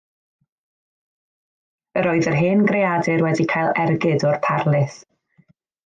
Yr oedd yr hen greadur wedi cael ergyd o'r parlys.